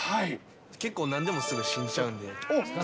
結構何でもすぐ信じちゃうんで。